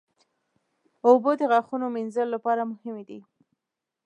اوبه د غاښونو مینځلو لپاره مهمې دي.